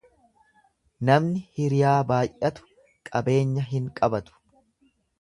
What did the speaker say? Namni hiriyaa baay'atu qabeenya hin qabatu.